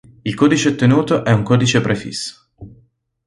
Il codice ottenuto è un codice prefisso.